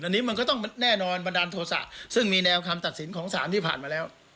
อันนี้มันก็ต้องแน่นอนบันดาลโทษะซึ่งมีแนวคำตัดสินของสารที่ผ่านมาแล้ว